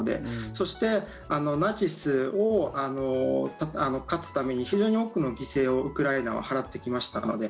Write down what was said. そして、ナチスに勝つために非常に多くの犠牲をウクライナは払ってきましたので。